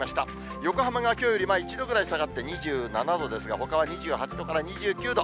横浜がきょうより１度ぐらい下がって２７度ですが、ほかは２８度から２９度。